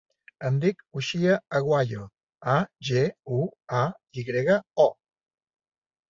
Em dic Uxia Aguayo: a, ge, u, a, i grega, o.